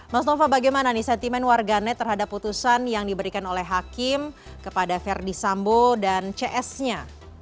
mas nova bagaimana nih sentimen warganet terhadap putusan yang diberikan oleh hakim kepada verdi sambo dan cs nya